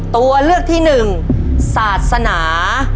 ตัวเลือกที่หนึ่งศาสนา